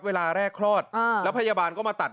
เวลาแรกคลอดแล้วพยาบาลก็มาตัด